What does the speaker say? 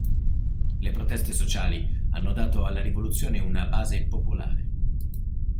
Le proteste sociali hanno dato alla rivoluzione una base popolare.